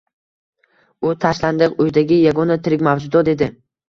U tashlandiq uydagi yagona tirik mavjudot edi.